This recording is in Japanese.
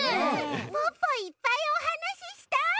ポッポいっぱいおはなししたい！